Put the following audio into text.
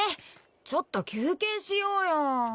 ちょっと休憩しようよ。